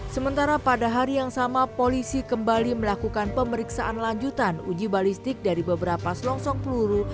sementara pada hari yang sama polisi kembali melakukan pemeriksaan lanjutan uji balistik dari beberapa selongsong peluru